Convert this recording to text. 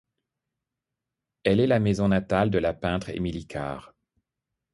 Elle est la maison natale de la peintre Emily Carr.